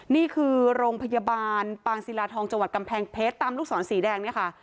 นี่คือโรงพยาบาลปางศิลาทองจกำแพงเพชรตามลูกศรศรีแดง